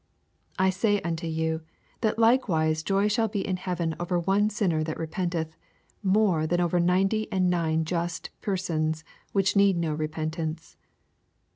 7 I say unto you, that likewise joy shall be in heaven over one siruer thatrepenteth, more than over ninety and nine just persons, which need no repentance.